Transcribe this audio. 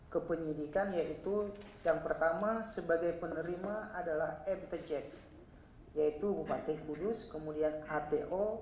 kepenyidikan yaitu yang pertama sebagai penerima adalah mtj yaitu bupati kudus kemudian ato